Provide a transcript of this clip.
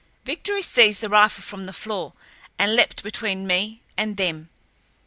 Victory seized the rifle from the floor and leaped between me and them.